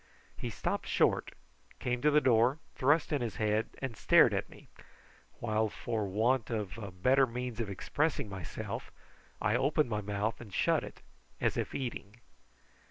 He stopped short, came to the door, thrust in his head and stared at me, while, for want of a better means of expressing myself, I opened my mouth and shut it as if eating.